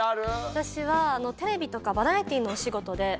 私は。